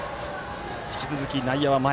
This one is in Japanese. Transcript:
引き続き、内野は前。